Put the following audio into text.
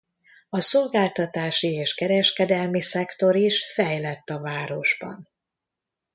A szolgáltatási és kereskedelmi szektor is fejlett a városban.